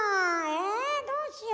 えどうしよう。